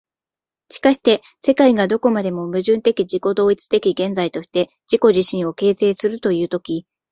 しかして世界がどこまでも矛盾的自己同一的現在として自己自身を形成するという時、